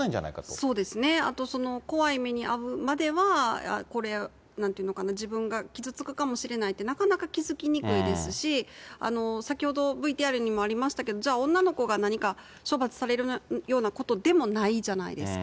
そうですね、あと、怖い目に遭うまでは、これ、なんていうのかな、自分が傷つくかもしれないって、なかなか気付きにくいですし、先ほどＶＴＲにもありましたけど、じゃあ、女の子が何か処罰されるようなことでもないじゃないですか。